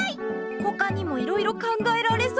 ほかにもいろいろ考えられそう！